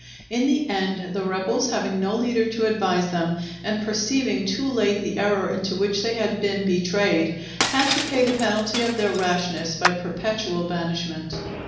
In the end, the rebels having no leader to advise them, and perceiving too late the error into which they had been betrayed, had to pay the penalty of their rashness by perpetual banishment.